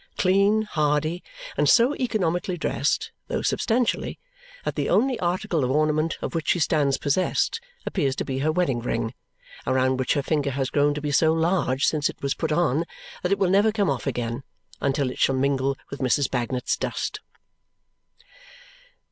Clean, hardy, and so economically dressed (though substantially) that the only article of ornament of which she stands possessed appear's to be her wedding ring, around which her finger has grown to be so large since it was put on that it will never come off again until it shall mingle with Mrs. Bagnet's dust.